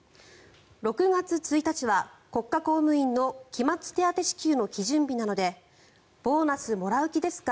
６月１日は国家公務員の期末手当支給の基準日なのでボーナスもらう気ですか？